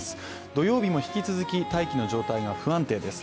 土曜日も引き続き大気の状態が不安定です。